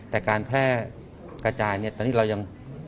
แต่การแพร่กระจายเนี่ยตอนนี้เรายัง